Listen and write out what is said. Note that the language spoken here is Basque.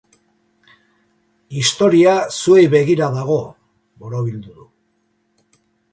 Historia zuei begira dago, borobildu du.